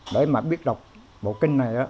để mà biết đọc bộ kinh này